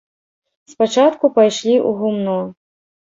Спачатку пайшлі ў гумно.